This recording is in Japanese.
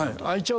はい。